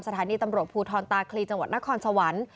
สถานีตำรวจภูทรตาคลีจังหวัดนครสวรรค์